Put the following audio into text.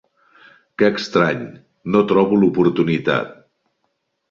Que estrany, no trobo l'oportunitat!